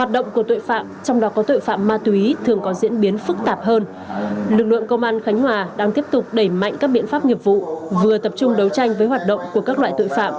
đáng chú ý quá trình đấu tranh lực lượng công an đã thu giữ năm khẩu súng cùng hai mươi ba viên đạn các loại